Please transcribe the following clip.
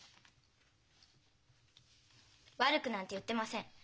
悪くなんて言ってません。